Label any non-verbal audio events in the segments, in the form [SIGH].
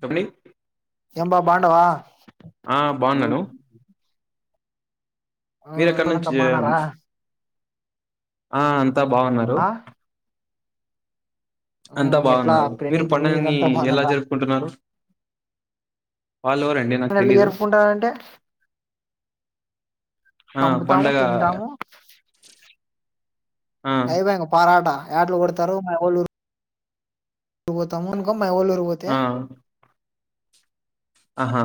చెని ఏంబా బాండవా ఆ బాగున్నాను మీరు ఎక్కడ అంతా నుంచీ బాగున్నారా ఆ అంత్ త బాగున్నారు ఆ అంతా ఎట్లా బాగున్నారు మీరు ప్రణీత్ వినీత్ పండుగని అంతా ఎలా బాగున్నారా జరుపుకుంటున్నారు వాళ్ళు ఎవరండి నాకు నలు తెలీదు జరుపుకుంటారంటే ఆ చంపుతాము పండగ తింటాము ఆ అయిపోక పరాట యాట్లు కొడతారు మాఅవ్వల్లూర్ పోతం కం మవోలూరు పోతే ఆ ఆహా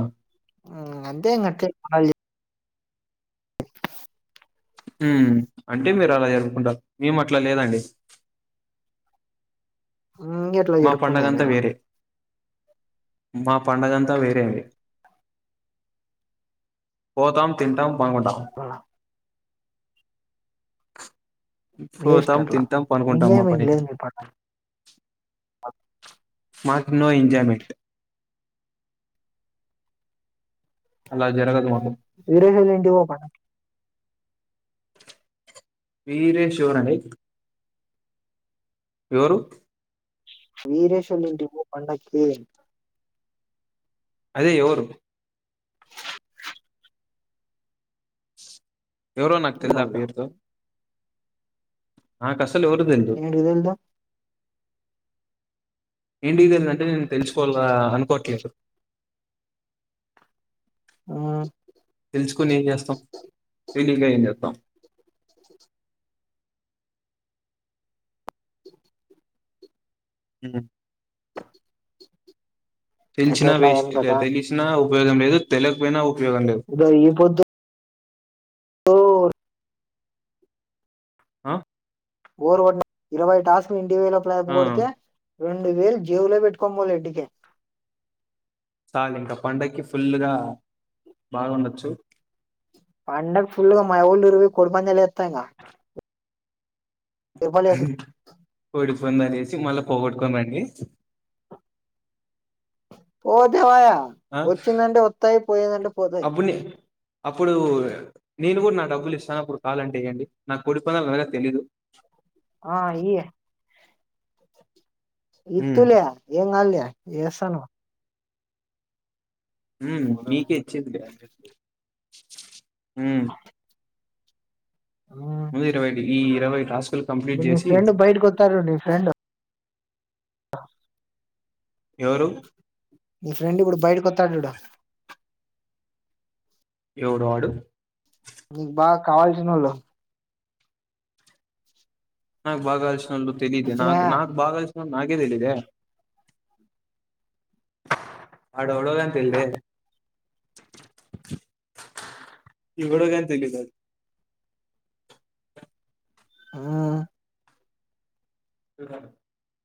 ఇంగ అంతే అట్టే ఉమ్ అంటే మీరు అలా జరుపుకుంటారు మేము అట్లా లేదండి ఇంక ఎట్లా మా జరుపుకునేది పండుగంతా మీరు వేరే మా పండగంతా వేరే అండి పోతాం తింటాం పనుకుంటాం వేస్ట్ పోతాం అట్లా తింటాం పనుకుంటాం మా ఇంగేమి పని లేదు పట్ల ఆ మాక్ నో ఎంజాయ్మెంట్ అలా జరగదు మాకు వేరేది అయితే ఇంటికిపో పన్ వీరేేష్ ఎవరు అని ఎవరు వీరేష్ వాళ్ళ ఇంటికి పో పండక్కి అదే ఎవరు ఎవరు నాకు తెల్దా ఆ ఊరోళ్ళు పేరుతో ఆ కస్ ఏంటిగి తెల్దు ఏంటికి తెలిదంటే తెలుసుకోవాల అనుకోట్లేదు ఆ తెలుసుకొని ఏం చేస్తాం తెలిగ ఏం చేస్తాం అ ఎట్లా తెలిసిన ఎట్లా ఏం వేస్ట్ కదా తెలికనా ఉపయోగం లేదు తెలియకపోయినా ఉప్ ఇరోజు ఈ పొద్దు ఆ ఓర్వట్ ఇరవై టాస్ మీ ఇం వేల ప్లాపు ఆ కొడితే రెండు వేలు జేబులో పెట్టుకోనిపోళ ఇంటికే చాలు ఇంకా పండక్కి ఫుల్గా బాగుండొచ్చు పండక్ ఫుల్గా మయవ్వోళ ఊరు కొడుపందాల తనా ఎవ్వల్లే అసలు వంద జేసి మళ్ళా పోగొట్టుకోమండి పోతే వాయ ఆ ఒచ్చింది అంటే ఒత్తాయి పోయేదంటే పోతాయ్ అప్పుడు నే అప్పుడు నేను గూడా నా డబ్బులు ఇస్తాను అప్పుడు కావాలంటే ఏయండి నా కొడి పంద్యాలు అనగ తెలీదు ఆ ఈ ఉమ్ ఇత్తులే ఏం గాదులే ఏస్సను ఉ మీకే ఇచ్చేదిలే ఊ మ్ ముందు ఇరవై ఈ ఇప్పుడు ఇరవై టాస్క్ లు కంప్లీట్ నీ జేసి ఫ్రెండ్ బయటకు ఆ ఎవరు మీ ఫ్రెండు ఇబ్బుడు బయటికొత్తాడు జూడు ఏవడు ఆడు నీక్ బాగా కావాల్సినోళ్ళు నాకు బాగా ఇష్ ఎందో తెలిదే నాక్ వచ్చినాయా నాకు బాగా [UNINTELLIGIBLE] నాకే దెలిదే ఆడోఎవడో గాని తెళ్దే ఇవడో గాని తెలీదు ఆడు ఆ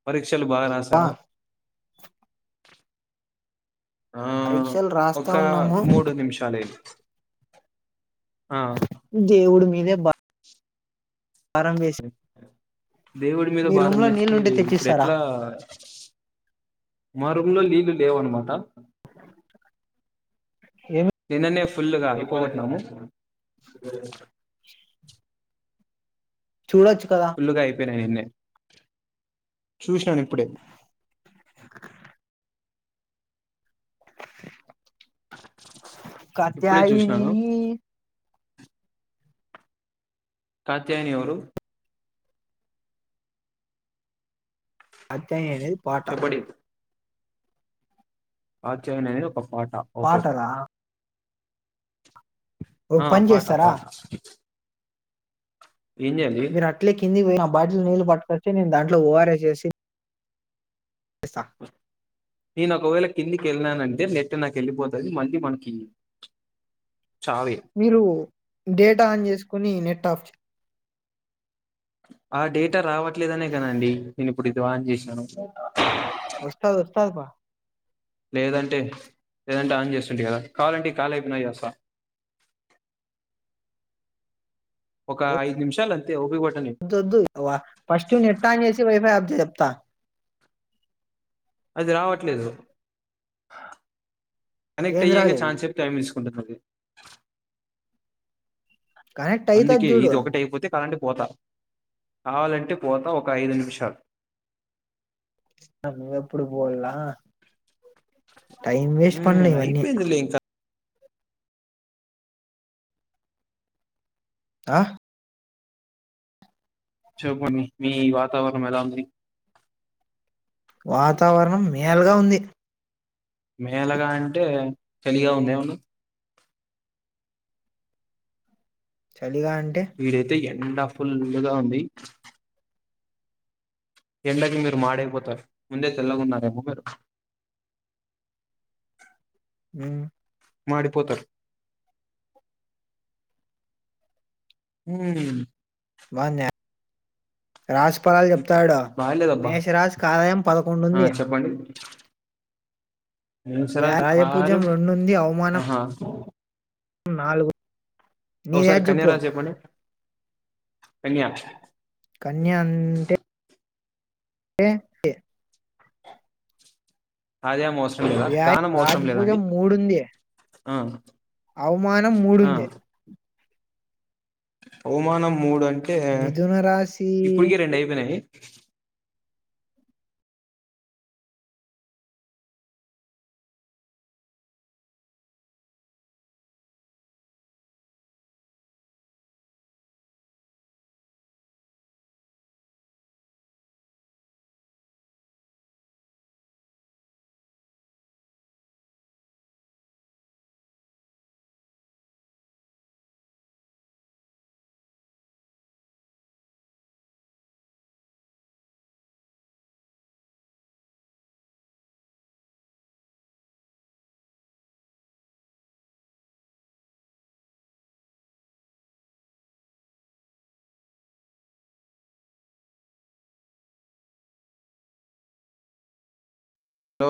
పరీక్ క్షలు బాగా రాసారా ఆ పరీక్షలు రాస్తా ఒక ఉన్నాము మూడు నిమిషాలె లే దేవుడు మీ దే బా దేవుడి మీద మీ రూమ్ భారం లో నీళ్ళు వేస్తే ఉంటే ఇప్పుడు తెచ్చిస్తారా ఎట్లా మా రూమ్ లో నీళ్లు లేవనమాట ఏమి నిన్ననే ఫుల్లుగా అయిపోగొట్టినాము చూడొచ్చు కదా ఫుల్లుగా అయిపేయినాయ్ నిన్నె చూసినాను ఇప్పుడే ఇప్పుడే కాత్యాయిని చూసినాను కాత్యాయిని ఎవరు అత్తే అనేది పాటా చెప్పడి ఆచయ నేను ఒక పాట్ పాటలా ఆ పాట చేస్తారా పాట ఏం చేయాలి మీరు అట్లే కిందికి పోయినాం. బాటిల్ నీళ్లు పట్టుకొచ్చి నేను దాంట్లో ఓఅరస్ ఏసి పిస్తా నేను ఒకవేళ కిందికి వెళ్ళనానంటే నెట్ నాకు వెళ్ళిపోతది మళ్ళీ మనకి చావే మీరు డేటా ఆన్ చేసుకుని నెట్ ఆఫ్ చే ఆ డేటా రావట్లేదనే కదండి నేను ఇప్పుడు ఇది ఆన్ చేసినాను. వస్తాది వస్తాది పా లేదంటే లేదంటే ఆన్ చేస్తుంటి కదా. కావలంటే ఈ కాల్ అయిపోనాయిక చేస్తా. ఒక ఐదు నిమిషాల అంతే ఓపిక ప దుద్దు వ ఫస్టు నెట్ ఆన్ చేసి వైఫై అప్ చెప్ త అది రావట్లేదు. ఏం కనక్ట్అయ్యేకే రాలేదు చాన్ సేపు టైమ్ తీసు కొంతకవి కనెక్ట్ అవుతుంది అందుకే చూడు ఇది ఒకటి అయిపోతే కాదంటే పోతా కావాలంటే పోతా ఒక ఐదు నిమిషాలు అ నువేప్పుడు పోవల్లా టైం వేస్ట్ పనులు మ్మ్ ఈవన్నీ. అయిపోయిందిలే ఇంకా ఆ చూపండి మీ వాతావరణం ఎలా ఉంది? వాతావరణం మేల్గా ఉంది. మేలగా అంటే చలిగా ఉంది ఏమన్నా లిగా అంటే ఎండా ఫుల్గా ఉంది. ఎండకి మీరు మాడైపోతారు. ముందే తెల్లగున్నారేమో మీరు. ఊ మాడిపోతారు. ఉమ్ మాన్నె రాసిఫలాలు చెప్తాడు బాలేదబ్బా మేషరాసికి ఆదాయం పదకొండు ఆ ఉంది. నిసరాజు రాజపూజ్యం కార్యం రెండుంది అవమానం ఆహా నాలుగు ఓసారి నీదేది చెప్పు కన్యారాసి చెప్పండి. పెన్యా కన్యా అంటే టే ఎ అదే మోస వ్య రాజ్య పుజ్యం మూడుంది ఆ అవమానం ఆ మూడుంది అవమానం మూడు అం టే మిథున రాశి ఇప్పుటికి రెండయిపోయినాయి లో